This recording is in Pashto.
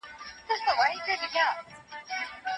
کله به حکومت بهرنۍ پانګونه په رسمي ډول وڅیړي؟